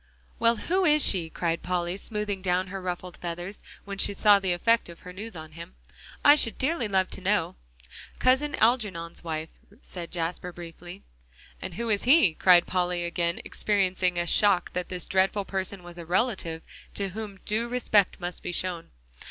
"Well, who is she?" cried Polly, smoothing down her ruffled feathers, when she saw the effect of her news on him. "I should dearly love to know." "Cousin Algernon's wife," said Jasper briefly. "And who is he?" cried Polly, again experiencing a shock that this dreadful person was a relative to whom due respect must be shown.